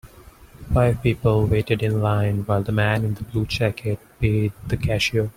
Five people waited in line while the man in the blue jacket paid the cashier.